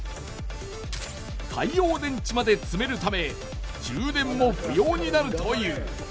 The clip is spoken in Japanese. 太陽電池まで積めるため充電も不要になるという。